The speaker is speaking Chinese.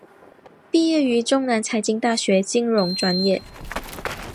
毕业于中南财经大学金融专业。